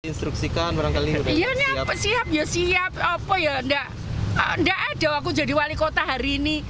instruksikan orang siap ya siap apa ya enggak enggak ada aku jadi wali kota hari ini